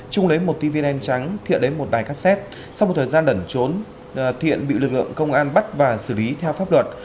trung lấy một tivi đen trắng thiện lấy một đài cassette sau một thời gian lẩn trốn thiện bị lực lượng công an bắt và xử lý theo pháp luật